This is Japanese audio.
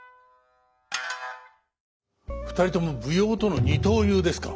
二人とも舞踊との二刀流ですか。